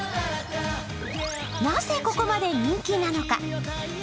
なぜ、ここまで人気なのか。